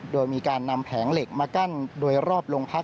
โดยมีการนำแผงเหล็กมากั้นโดยรอบโรงพัก